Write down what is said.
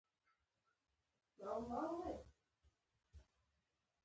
د سردار محمد هاشم خان په دوره کې د افغانستان معارف ته پاملرنه وشوه.